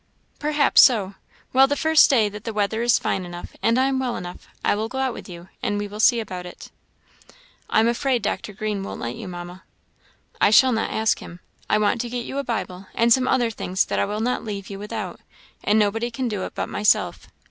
"Perhaps so. Well, the first day that the weather is fine enough, and I am well enough, I will go out with you, and we will see about it." "I am afraid Dr. Green won't let you, Mamma." "I shall not ask him. I want to get you a Bible, and some other things that I will not leave you without, and nobody can do it but myself.